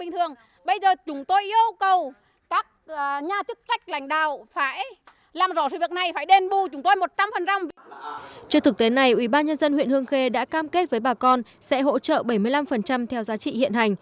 trước thực tế này ubnd huyện hương khê đã cam kết với bà con sẽ hỗ trợ bảy mươi năm theo giá trị hiện hành